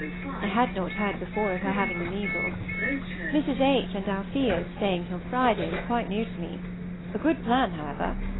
I had not heard before of her having the measles. Mrs. H. and Alethea's staying till Friday was quite new to me; a good plan, however.